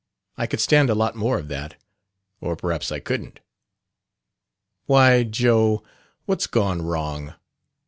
I could stand a lot more of that, or perhaps I couldn't!" "Why, Joe, what's gone wrong?"